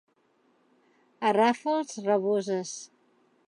A Ràfels, raboses.